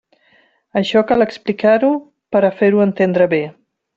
Això cal explicar-ho per a fer-ho entendre bé.